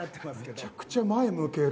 めちゃくちゃ前向ける。